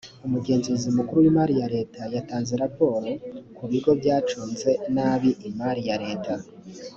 umugenzuzi mukuru w’imari ya leta yatanze raporo kubigo byacunze nabi imari ya leta